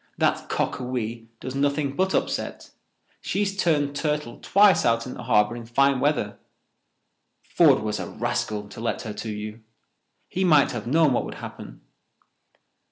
"That Cockawee does nothing but upset. She has turned turtle twice out in the harbour in fine weather. Ford was a rascal to let her to you. He might have known what would happen.